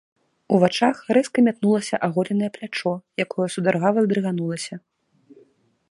У вачах рэзка мятнулася аголенае плячо, якое сударгава здрыганулася.